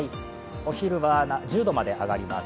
お昼は１０度まで上がります。